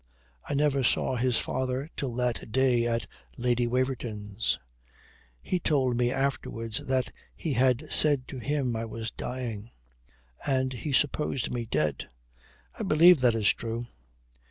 I never saw his father till that day at Lady Waverton's. He told me afterwards that they had said to him I was dying, and he supposed me dead. I believe that is true.